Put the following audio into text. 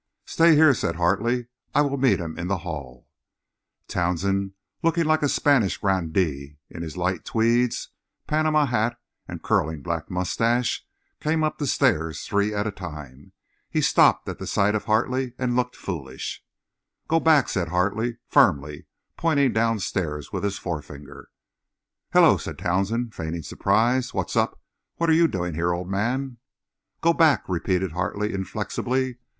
"Stay here," said Hartley. "I will meet him in the hall." Townsend, looking like a Spanish grandee in his light tweeds, Panama hat and curling black mustache, came up the stairs three at a time. He stopped at sight of Hartley and looked foolish. "Go back," said Hartley, firmly, pointing downstairs with his forefinger. "Hullo!" said Townsend, feigning surprise. "What's up? What are you doing here, old man?" "Go back," repeated Hartley, inflexibly.